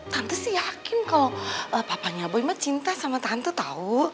tante sih yakin kalau papanya si boy mah cinta sama tante tau